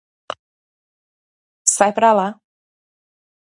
Sai pra lá